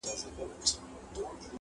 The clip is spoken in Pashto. چي قلا د یوه ورور یې آبادیږي.!